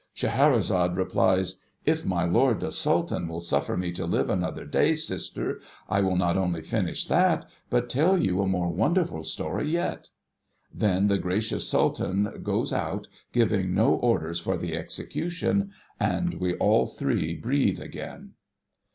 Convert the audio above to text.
Scheherazade replies, ' If my lord the Sultan will suffer me to live another day, sister, I will not only finish that, but tell you a more wonderful story yet.' Then, the gracious Sultan goes out, giving no orders for the execution, and we all three breathe again.